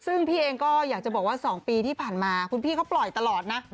ซึ่งพี่เองก็อยากจะบอกว่า๒ปีที่ผ่านมาคุณพี่เขาปล่อยตลอดนะ